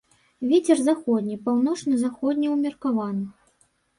Вецер заходні, паўночна-заходні ўмеркаваны.